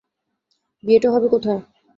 বিয়েটা হবে কোথায়?